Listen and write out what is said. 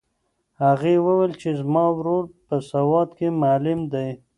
هغې وویل چې زما ورور په سوات کې معلم دی.